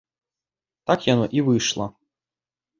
Так яно і выйшла.